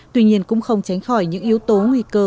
tuy nhiên cũng không tránh khỏi những yếu tố nguy cơ